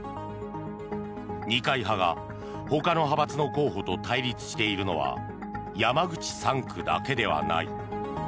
二階派がほかの派閥の候補と対立しているのは山口３区だけではない。